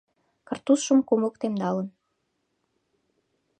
Картузшым кумык темдалын.